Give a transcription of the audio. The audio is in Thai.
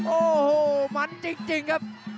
โอ้โหมันจริงครับ